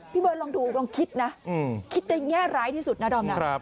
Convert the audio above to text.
พี่เบิร์ดลองดูลองคิดนะคิดในแง่ร้ายที่สุดนะดอมนะ